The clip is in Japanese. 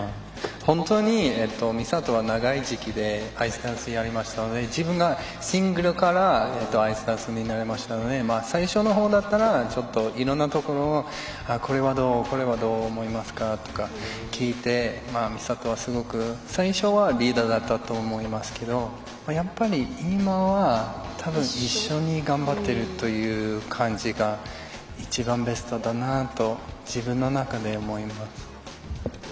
本当に美里は長い時期でアイスダンスやりましたので自分がシングルからアイスダンスになりましたので最初の方だったらちょっといろんなところをこれはどうこれはどう思いますか？とか聞いて美里はすごく最初はリーダーだったと思いますけどやっぱり今は多分一緒に頑張っているという感じが一番ベストだなと自分の中で思います。